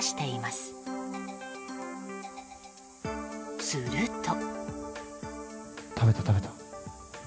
すると。